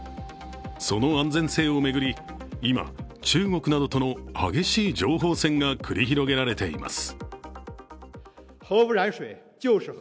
その安全性を巡り、今、中国などとの激しい情報戦が繰り広げられています。